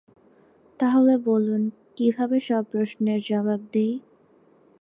তাহলে বলুন, কীভাবে সব প্রশ্নের জবাব দিই।